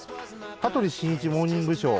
「羽鳥慎一モーニングショー」